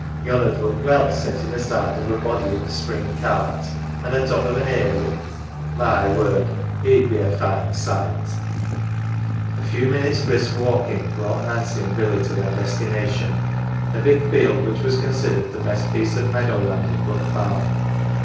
" Yon 'ud look well settin' aside of a body 78 NANCY T th' spring cart. An' a top of an ""ay rick my word ! he'd be a fine sight !" A few minutes' 1 brisk walking brought Nancy and Billy to their destination : a big field which was con sidered the best piece of meadow land in Brook Farm.